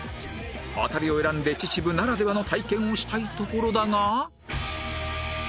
アタリを選んで秩父ならではの体験をしたいところだが